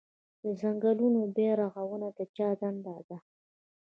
د ځنګلونو بیا رغونه د چا دنده ده؟